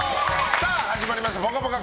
さあ、始まりました「ぽかぽか」